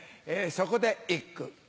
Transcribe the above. そこで一句。